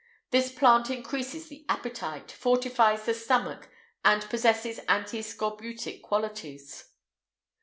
This plant increases the appetite, fortifies the stomach, and possesses anti scorbutic qualities.